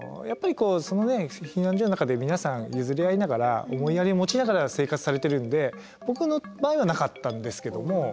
やっぱり避難所の中で皆さん譲り合いながら思いやりを持ちながら生活されているんで僕の場合はなかったんですけども。